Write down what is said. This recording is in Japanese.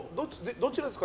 どちらですか？